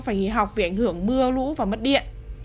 phải nghỉ học vì ảnh hưởng mưa lũ và mất điện